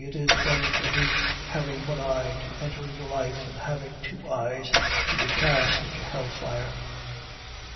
It is better for thee having one eye to enter into life, than having two eyes to be cast into hell fire.